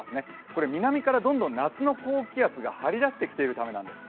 これ南からどんどんナツの高気圧が張り出してきているためなんです。